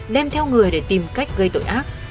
đem theo người để tìm cách gây tội ác